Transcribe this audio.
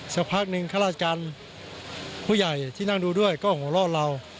สักพักหนึ่งข้าราชการผู้ใหญ่ที่นั่งดูด้วยก็หัวเราะเรา